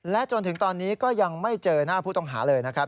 จนถึงตอนนี้ก็ยังไม่เจอหน้าผู้ต้องหาเลยนะครับ